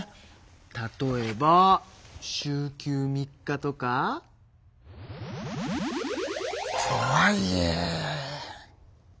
例えば週休３日とか。とはいえ。